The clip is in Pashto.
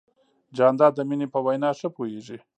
جانداد د مینې په وینا ښه پوهېږي.